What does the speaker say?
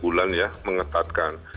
kita ingin mengetatkan